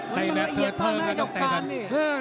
ใส่แบบเทิดเทินก็ต้องใส่แบบนี้